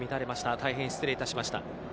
大変失礼しました。